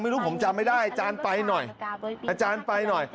ไม่รู้ผมจำไม่ได้อาจารย์ไปหน่อย